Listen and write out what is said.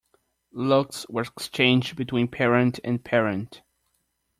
Looks were exchanged between parent and parent.